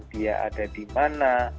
dia ada di mana